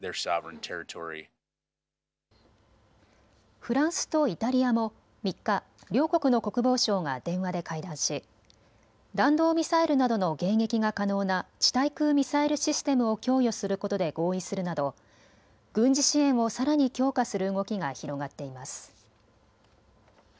フランスとイタリアも３日、両国の国防相が電話で会談し弾道ミサイルなどの迎撃が可能な地対空ミサイルシステムを供与することで合意するなど軍事支援をさらに強化する動きが広がっています。